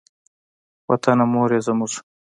وطنه مور یې زموږ.